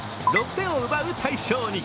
６点を奪う大勝に。